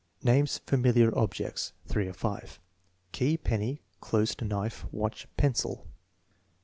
Names familiar objects. (3 of 5.) Key, penny, closed knife, watch, pencil.